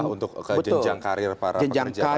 ada struktur upah untuk jenjang karir para pekerja